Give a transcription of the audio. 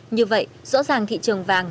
như vậy rõ ràng thị trường vàng